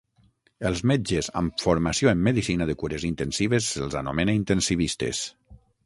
Els metges amb formació en medicina de cures intensives se'ls anomena intensivistes.